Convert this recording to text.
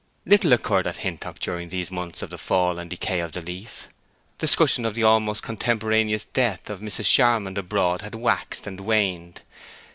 Little occurred at Hintock during these months of the fall and decay of the leaf. Discussion of the almost contemporaneous death of Mrs. Charmond abroad had waxed and waned.